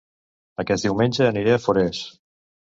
Aquest diumenge aniré a Forès